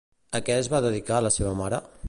A què es va dedicar la seva mare?